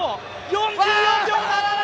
４４秒７７！